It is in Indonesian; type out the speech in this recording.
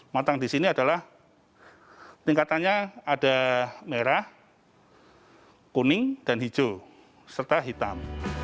matang di sini adalah tingkatannya ada merah kuning dan hijau serta hitam